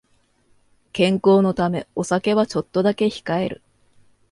健康のためお酒はちょっとだけ控える